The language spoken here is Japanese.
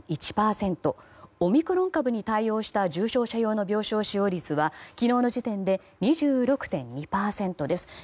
オミクロン株に対応した重症者用の病床使用率は昨日の時点で２６．２％です。